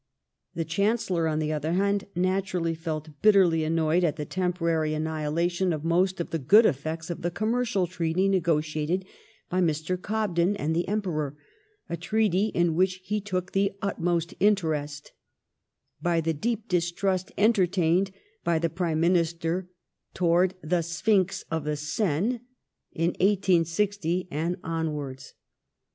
The Chancellor, on the other hand, natu rally felt bitterly annoyed at the temporary annihilation HOME AFFAIRS. 205 of most of the good effects of the commercial treaty negotiated hy Mr. Gobden and the Emperor, a treaty in which he took the utmost interest, by the deep distrust entertained by the Prime Minister towards the Sphinx of the Seine ^' in 1860 and onwards.